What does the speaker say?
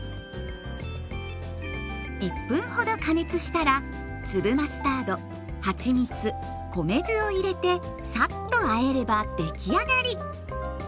１分ほど加熱したら粒マスタードはちみつ米酢を入れてさっとあえればできあがり。